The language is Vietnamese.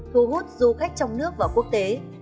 thú hút du khách trong nước và quốc tế